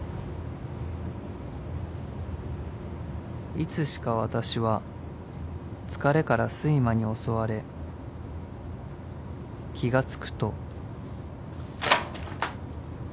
［いつしか私は疲れから睡魔に襲われ気が付くと］